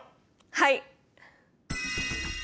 はい！